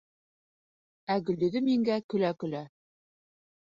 Ә Гөлйөҙөм еңгә көлә-көлә: